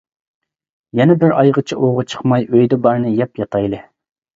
يەنە بىر ئايغىچە ئوۋغا چىقماي ئۆيدە بارنى يەپ ياتايلى.